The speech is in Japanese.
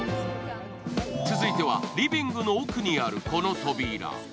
続いてはリビングの奥にあるこの扉。